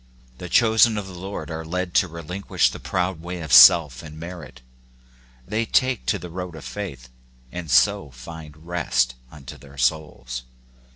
The chosen of the Lord are led to relinquish the proud way of self and merit : they take to the road of faith, and so find rest unto their souls.